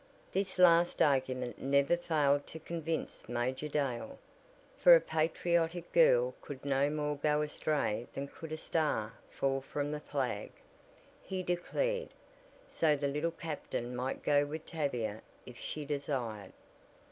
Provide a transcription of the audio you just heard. This last argument never failed to convince Major Dale, for a patriotic girl could no more go astray than could a star fall from the flag, he declared; so the Little Captain might go with Tavia if she desired.